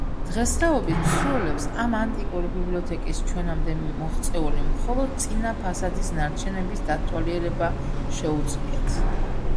დღესდღეობით მსურველებს ამ ანტიკური ბიბლიოთეკის ჩვენამდე მოღწეული მხოლოდ წინა ფასადის ნარჩენების დათვალიერება შეუძლიათ.